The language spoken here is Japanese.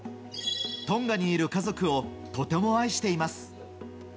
トンガにいる家族をとても愛しています。